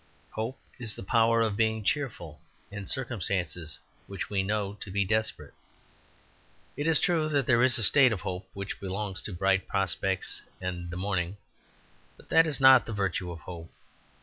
Hope is the power of being cheerful in circumstances which we know to be desperate. It is true that there is a state of hope which belongs to bright prospects and the morning; but that is not the virtue of hope.